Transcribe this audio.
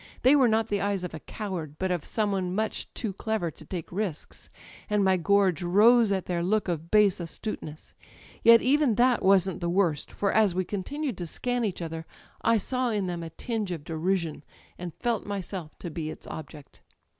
They were not the eyes of a coward, but of some one much too clever to take risks; and my gorge rose at their look of base Digitized by LjOOQ IC THE EYES astuteness. Yet even that wasn't the worst; for as we continued to scan each other I saw in them a tinge of derision, and felt myself to be its object.